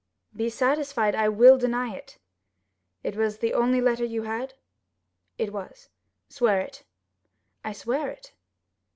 "Be satisfied; I will deny it." "It was the only letter you had?" "It was." "Swear it." "I swear it."